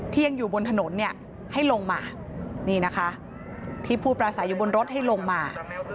ที่ยังอยู่บนถนนให้ลงมาที่ผู้ปลาใสอยู่บนรถให้ลงมา